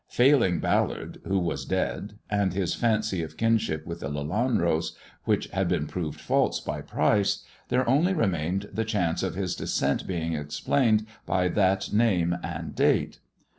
Failing Ballard, who was dead, and his fancy of kinship with the Lelanros, which had been proved false by Pryce, there only remained the chance of his descent being explained by that name and date.